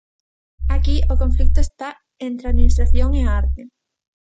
Aquí, o conflito está entre a administración e a arte.